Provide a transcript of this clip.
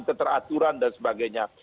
keteraturan dan sebagainya